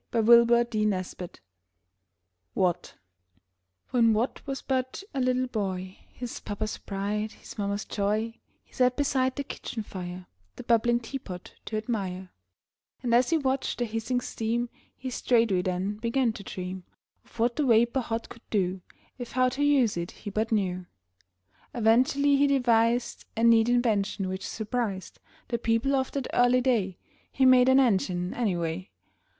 WATT When Watt was but a little boy His papa's pride, his mama's joy He sat beside the kitchen fire The bubbling teapot to admire; And as he watched the hissing steam He straightway then began to dream Of what the vapor hot could do If how to use it he but knew. Eventually he devised A neat invention which surprised The people of that early day He made an engine, anyway.